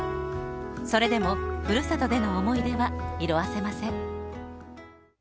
それでも、ふるさとでの思い出は色あせません。